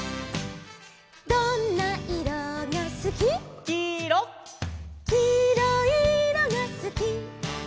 「どんないろがすき」「」「きいろいいろがすき」